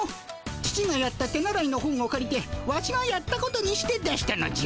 父がやった手習いの本をかりてワシがやったことにして出したのじゃ。